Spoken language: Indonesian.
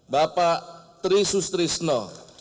bapak trisut trisno